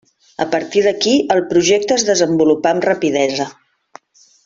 A partir d'aquí el projecte es desenvolupà amb rapidesa.